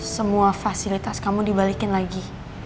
semua fasilitas kamu dibalikin lagi